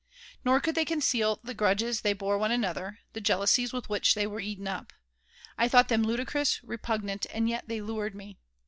Nor could they conceal the grudges they bore one another, the jealousies with which they were eaten up. I thought them ludicrous, repugnant, and yet they lured me.